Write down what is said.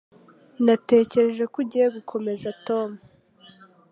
Natekereje ko ugiye gukomeza Tom.